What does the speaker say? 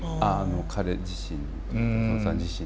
彼自身に東さん自身に。